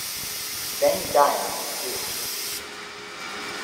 Ben Dayan is Jewish.